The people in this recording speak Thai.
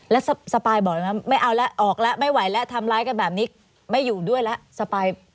แล้วสปายบอกเลยนะไม่เอาแล้วออกแล้วไม่ไหวแล้วทำร้ายกันแบบนี้ไม่อยู่ด้วยแล้วสปาย